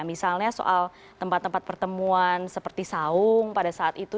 misalnya soal tempat tempat pertemuan seperti saung pada saat itu